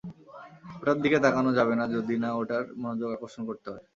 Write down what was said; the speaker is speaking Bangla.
ওটার দিকে তাকানো যাবে না যদি না ওটার মনোযোগ আকর্ষণ করতে হয়।